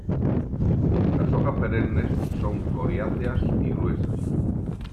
Las hojas perennes son coriáceas y gruesas.